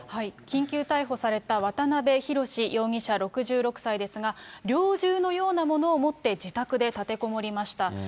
緊急逮捕された渡辺宏容疑者６６歳ですが、猟銃のようなものを持って自宅で立てこもりました。